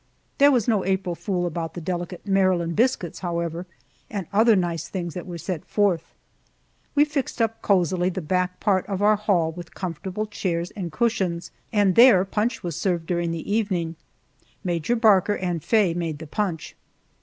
There was no April fool about the delicate Maryland biscuits, however, and other nice things that were set forth. We fixed up cozily the back part of our hall with comfortable chairs and cushions, and there punch was served during the evening. Major Barker and Faye made the punch.